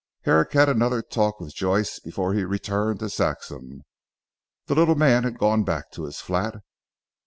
Herrick had another talk with Joyce before he returned to Saxham. The little man had gone back to his flat.